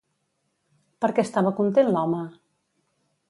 Per què estava content l'home?